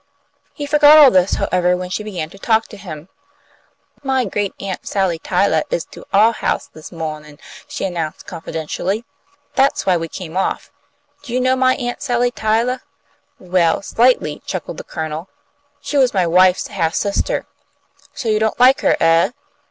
He forgot all this, however, when she began to talk to him. "My great aunt Sally Tylah is to our house this mawnin'," she announced, confidentially. "That's why we came off. Do you know my Aunt Sally Tylah?" "Well, slightly!" chuckled the Colonel. "She was my wife's half sister. So you don't like her, eh?